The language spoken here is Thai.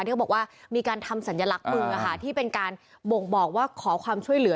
เขาบอกว่ามีการทำสัญลักษณ์มือที่เป็นการบ่งบอกว่าขอความช่วยเหลือ